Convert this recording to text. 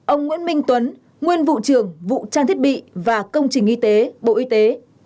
ông nguyễn minh tuấn nguyên vụ trưởng vụ trang thiết bị và công trình y tế bộ y tế